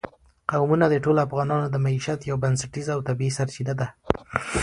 قومونه د ټولو افغانانو د معیشت یوه بنسټیزه او طبیعي سرچینه ده.